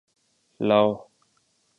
لاؤ